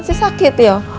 masih sakit ya